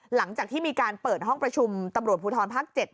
หลังจากที่มีการเปิดห้องประชุมตำรวจภูทรภาค๗